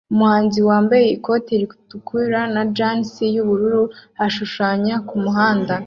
Umuhanzi wambaye ikoti ritukura na jans yubururu ashushanya kumuhanda